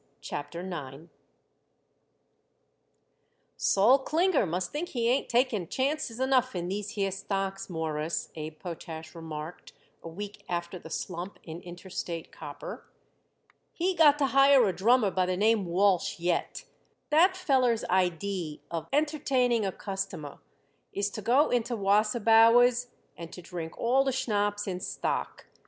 CHAPTER IX "Sol Klinger must think he ain't taking chances enough in these here stocks, Mawruss," Abe Potash remarked a week after the slump in Interstate Copper. "He got to hire a drummer by the name Walsh yet. That feller's idee of entertaining a customer is to go into Wasserbauer's and to drink all the schnapps in stock.